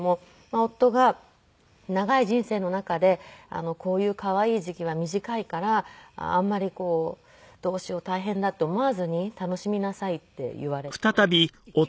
夫が「長い人生の中でこういう可愛い時期は短いからあまりどうしよう大変だって思わずに楽しみなさい」って言われて。